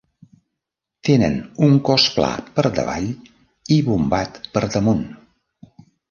Tenen un cos pla per davall i bombat per damunt.